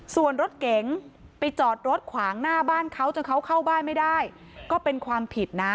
ส่วนรถเก๋งไปจอดรถขวางหน้าบ้านเขาจนเขาเข้าบ้านไม่ได้ก็เป็นความผิดนะ